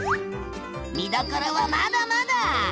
見どころはまだまだ！